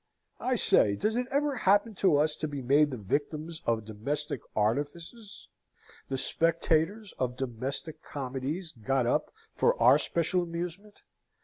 I say, does it ever happen to us to be made the victims of domestic artifices, the spectators of domestic comedies got up for our special amusement?